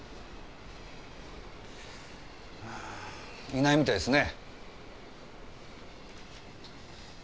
いないみたいですね。